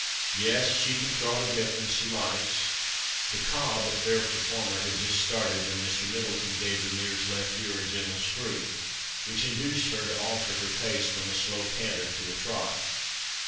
Yes! she can trot a bit when she likes." The cob, a fair performer, had just started, when Mr. Middleton gave the mare's left ear a gentle screw, which induced her to alter her pace from a slow canter to a trot.